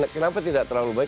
kenapa tidak terlalu baik